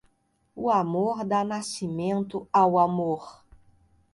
O amor dá nascimento ao amor.